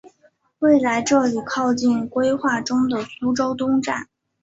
未来这里靠近规划中的苏州东站。